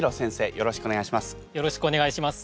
よろしくお願いします。